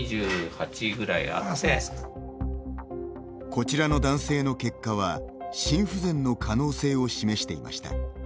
こちらの男性の結果は心不全の可能性を示していました。